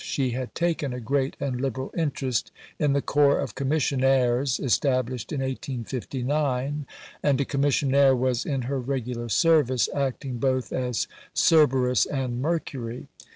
She had taken a great and liberal interest in the Corps of Commissionaires established in 1859, and a Commissionaire was in her regular service, acting both as Cerberus and Mercury.